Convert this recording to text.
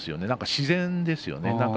自然ですよね。